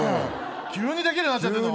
急にできるようになっちゃったの。